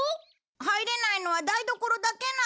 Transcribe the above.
入れないのは台所だけなんだ。